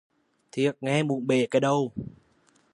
Thiệt nghe muốn bể cái đầu!